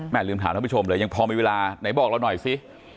ลืมถามท่านผู้ชมเลยยังพอมีเวลาไหนบอกเราหน่อยสิ